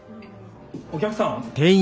お客さん？